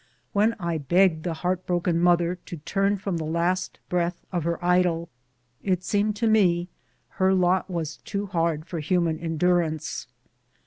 When I begged the heart broken mother to turn from the last breath of her idol, it seemed to me her lot was too hard for human endurance.